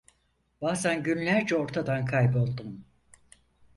Bazan günlerce ortadan kayboldum.